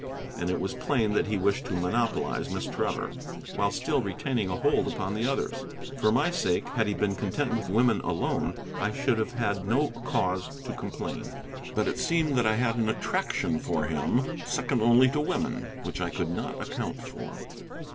And it was plain that he wished to monopolize Miss Trevor, while still retaining a hold upon the others. For my sake, had he been content with women alone, I should have had no cause to complain. But it seemed that I had an attraction for him, second only to women, which I could not account for.